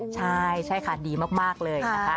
ใช่ใช่ค่ะดีมากเลยนะคะ